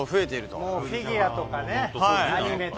もうフィギュアとかねアニメとかね。